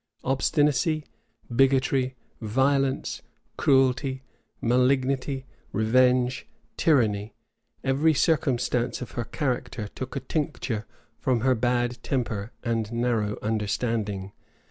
Obstinacy, bigotry, violence, cruelty, malignity, revenge, tyranny; every circumstance of her character took a tincture from her bad temper and narrow understanding.